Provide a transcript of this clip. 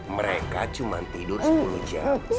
mereka cuma tidur sepuluh jam